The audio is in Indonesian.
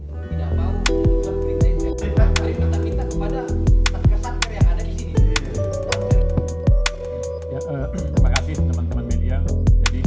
tidak mau saya beritahu kita kepada pesakit pesakit yang ada di sini